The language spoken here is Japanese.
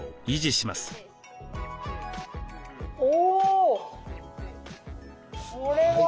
お！